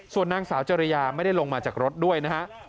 ส่วนนางสาวจริยาไม่ได้ลงมาจากรถด้วยนะฮะ